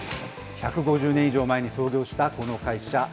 １５０年以上前に創業したこの会社。